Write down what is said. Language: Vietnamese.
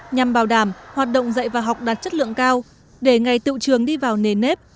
nhằm bảo đảm hoạt động dạy và học đạt chất lượng cao để ngày tự trường đi vào nề nếp